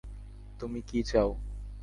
তুমি কি চাও?